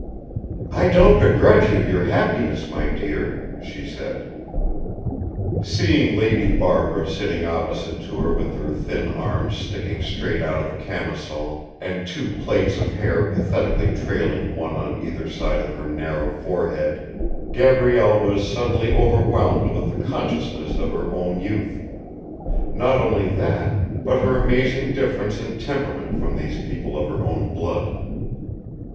"I don't begrudge you your happiness, my dear," she said. Seeing Lady Barbara sitting opposite to her with her thin arms sticking straight out of a camisole, and two plaits of hair pathetically trailing one on either side of her narrow forehead, Gabrielle was suddenly overwhelmed with the consciousness of her own youth not only that, but her amazing difference in temperament from these people of her own blood.